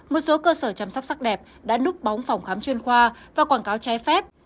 một số cơ sở chăm sóc sắc đẹp đã núp bóng phòng khám chuyên khoa và quảng cáo trái phép